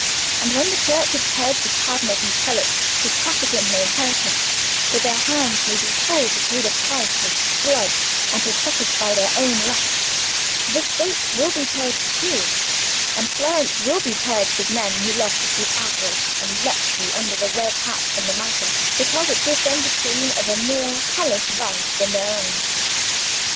And when the Church is purged of cardinals and prelates who traffic in her inheritance that their hands may be full to pay the price of blood and to satisfy their own lusts, the State will be purged too—and Florence will be purged of men who love to see avarice and lechery under the red hat and the mitre because it gives them the screen of a more hellish vice than their own."